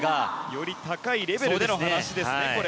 より高いレベルでの話です。